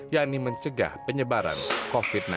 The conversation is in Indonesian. yakni mencegah penyebaran covid sembilan belas